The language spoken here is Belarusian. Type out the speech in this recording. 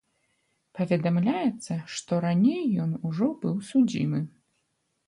Паведамляецца, што раней ён ужо быў судзімы.